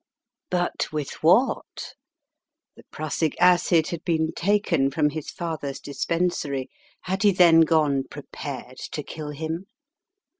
But with what? The prussic acid had been taken from his father's dispensary. Had he then gone prepared to kill him?